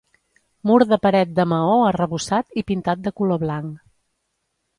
Mur de paret de maó arrebossat i pintat de color blanc.